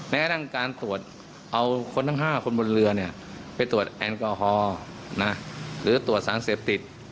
แม้กระทั่งการตรวจเอาคนทั้ง๕คนบนเรือไปตรวจแอลกอฮอล์หรือตรวจสารเสพติด